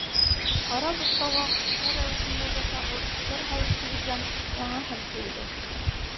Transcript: Ҡара буҫтауға ҡусҡар рәүешендәге сағыу төҫтәр һалып сигелгән яңыһын кейҙе.